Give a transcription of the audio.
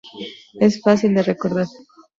Es fácil de recordar".